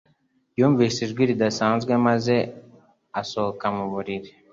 Yumvise ijwi ridasanzwe maze asohoka mu buriri.